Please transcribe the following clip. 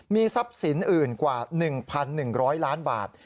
มีทรัพย์สินอื่นกว่า๑๑๐๐ล้านบาท